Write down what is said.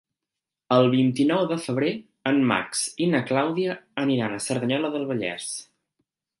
El vint-i-nou de febrer en Max i na Clàudia aniran a Cerdanyola del Vallès.